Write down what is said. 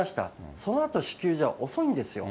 そのあと支給じゃ遅いんですよ。